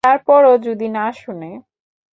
তারপরও যদি না শোনে?